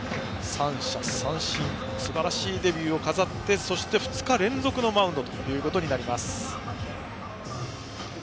三者三振すばらしいデビューを飾ってそして２日連続のマウンドとなります。